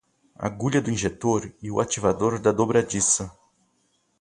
Agulha do injetor e o ativador da dobradiça